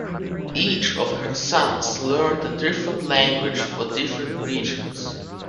Each of her sons learned a different language for different regions.